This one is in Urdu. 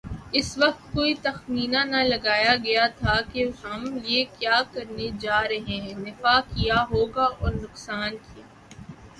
اس وقت کوئی تخمینہ نہ لگایاگیاتھا کہ ہم یہ کیا کرنے جارہے ہیں‘ نفع کیا ہوگا اورنقصان کیا۔